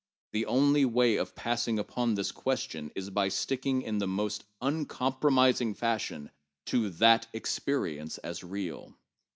The only way of passing upon this question is by sticking in the most uncompromising fashion to that experience as real.